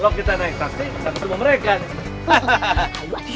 kita naik taksi takut semua mereka